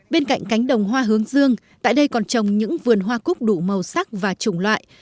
bên cạnh cánh đồng hoa hướng dương tại đây còn trồng những vườn hoa cúc đủ màu sắc và chủng loại